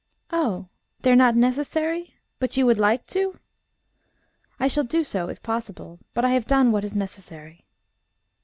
"Oh! they are not necessary? But you would like to?" "I shall do so if possible. But I have done what is necessary."